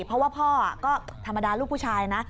เพราะว่าพ่อก็ธรรมดาลูกผู้ชายนะ